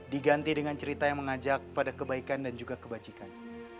diganti dengan cerita yang mengajak pada kebaikan dan juga kebajikan